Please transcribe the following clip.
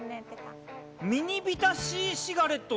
ミニビタＣシガレットだ。